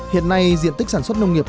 hiện nay diện tích sản xuất nông nghiệp